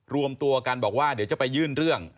รวมตัวกันบอกว่าเดี๋ยวจะไปยื่นเรื่อง